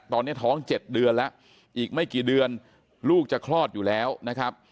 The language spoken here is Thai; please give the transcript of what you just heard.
ตอนนี้ท้อง๗เดือนแล้วอีกไม่กี่เดือนลูกจะคลอดอยู่แล้วนะครับ